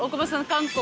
韓国